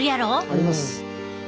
あります。